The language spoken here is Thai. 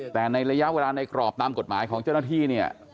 แต่ในระยะเวลาในกรอบตามกฎหมายของเจ้าหน้าที่เนี่ย